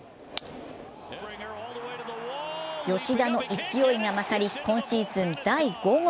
吉田の勢いが勝り、今シーズン第５号。